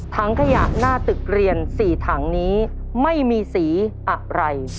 ถังขยะหน้าตึกเรียน๔ถังนี้ไม่มีสีอะไร